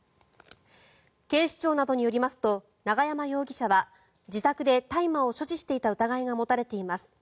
警視庁などによりますと永山容疑者は自宅で大麻を所持していた疑いが持たれています。